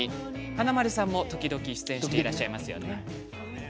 華丸さんも、時々出演していらっしゃいますよね。